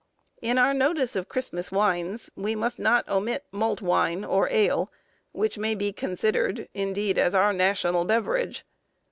In our notice of Christmas wines, we must not omit malt wine or ale, which may be considered, indeed, as our national beverage.